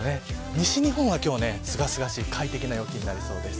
西日本は今日はすがすがしい快適な陽気になりそうです。